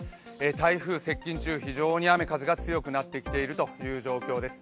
台風接近中、非常に雨・風が強くなってきているという状況です。